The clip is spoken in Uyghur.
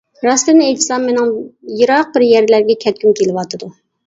— راستىنى ئېيتسام، مېنىڭ يىراق بىر يەرلەرگە كەتكۈم كېلىۋاتىدۇ.